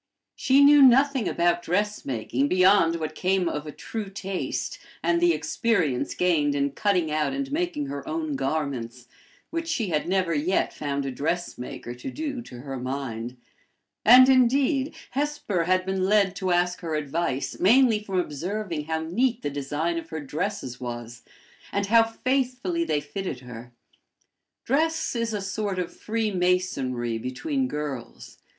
She knew nothing about dressmaking beyond what came of a true taste, and the experience gained in cutting out and making her own garments, which she had never yet found a dressmaker to do to her mind; and, indeed, Hesper had been led to ask her advice mainly from observing how neat the design of her dresses was, and how faithfully they fitted her. Dress is a sort of freemasonry between girls.